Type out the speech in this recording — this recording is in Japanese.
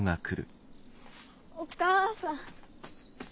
お母さん。